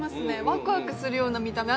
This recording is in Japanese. ワクワクするような見た目